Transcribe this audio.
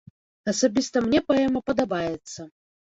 Асабіста мне паэма падабаецца.